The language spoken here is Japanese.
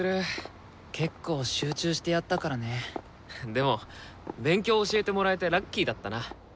でも勉強教えてもらえてラッキーだったな。